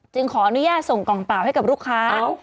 ขออนุญาตส่งกล่องเปล่าให้กับลูกค้า